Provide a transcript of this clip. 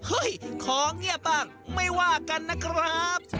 เฮ้ยของ่ีบอ่ะไม่ว่ากันนะครับ